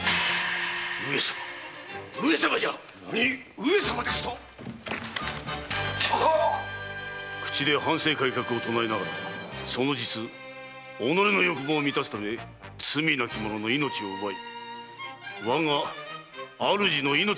上様ですと⁉口で藩政改革を唱えながらその実己の欲望を満たすため罪なき者の命を奪い我が主の命まで狙う外道ども！